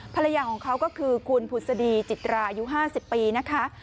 ภรรยาของเขาก็คือคุณผุศดีจิตราอายุ๕๐ปีนะคะ